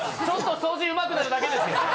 ちょっと掃除うまくなるだけですよ。